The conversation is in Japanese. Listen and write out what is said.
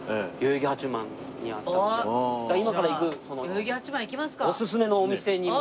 代々木八幡行きますか！